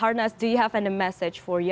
harnas apakah anda memiliki pesan